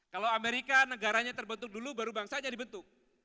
kalau amerika negaranya terbentuk dulu baru bangsa jadi bentuk